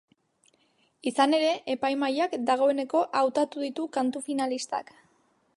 Izan ere, epaimahaiak dagoeneko hautatu ditu kantu finalistak.